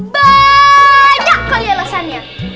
banyak kali alasannya